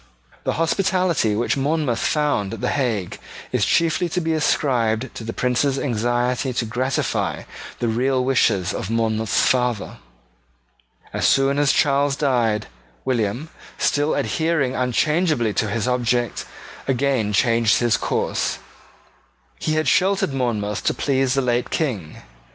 The hospitality which Monmouth found at the Hague is chiefly to be ascribed to the Prince's anxiety to gratify the real wishes of Monmouth's father. As soon as Charles died, William, still adhering unchangeably to his object, again changed his course. He had sheltered Monmouth to please the late King.